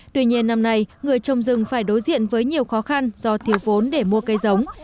tuy nhiên năm nay người trồng rừng phải đối diện với nhiều khó khăn do thiếu vốn để mua cây giống